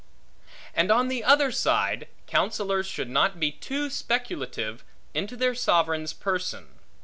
And on the other side, counsellors should not be too speculative into their sovereign's person.